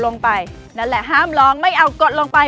ลงไปนั่นแหละห้ามลองไม่เอากดลงไป